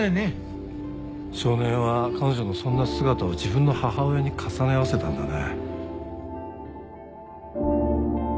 少年は彼女のそんな姿を自分の母親に重ね合わせたんだね。